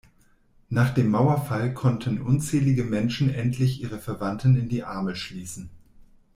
Nach dem Mauerfall konnten unzählige Menschen endlich ihre Verwandten in die Arme schließen.